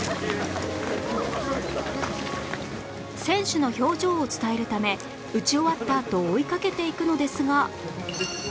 選手の表情を伝えるため打ち終わったあと追いかけていくのですが